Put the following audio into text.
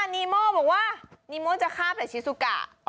นีโม่บอกว่านีโม่จะฆ่าแต่ชิซูกะ